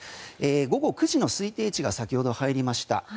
午後９時の推定値が先ほど入りました。